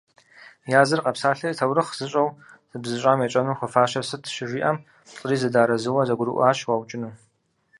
Языр къэпсалъэри «таурыхъ зыщӏэу зыбзыщӏам етщӏэну хуэфащэр сыт?»- щыжиӏэм, плӏыри зэдэарэзыуэ зэгурыӏуащ уаукӏыну.